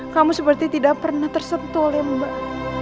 kamu seperti tidak pernah tersentuh oleh mbak